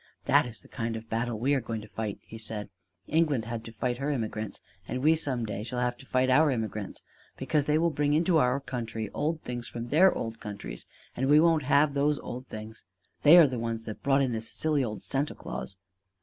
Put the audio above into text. "That is the kind of battle we are going to fight," he said. "England had to fight her immigrants, and we some day shall have to fight our immigrants! Because they will bring into our country old things from their old countries, and we won't have those old things. They are the ones that brought in this silly old Santa Claus."